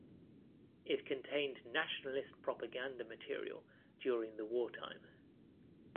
It contained nationalist propaganda material during the wartime.